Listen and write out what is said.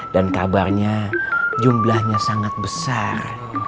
dan kabarnya jumlahnya sangat besar